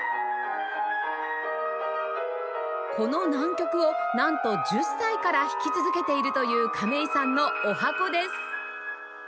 この難曲をなんと１０歳から弾き続けているという亀井さんのおはこです